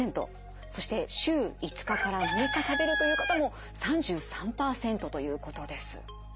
そして週５日から６日食べるという方も３３％ということです。